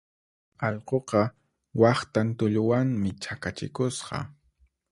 Allquqa waqtan tulluwanmi chakachikusqa.